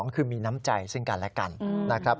คือมีน้ำใจซึ่งกันและกันนะครับ